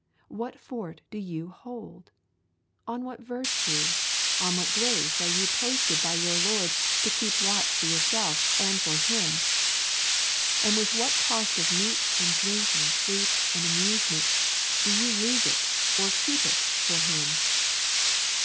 What fort do you hold? On what virtue, on what grace are you posted by your Lord to keep for yourself and for Him? And with what cost of meat and drink and sleep and amusement do you lose it or keep it for Him?